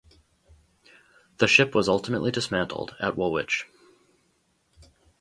The ship was ultimately dismantled at Woolwich.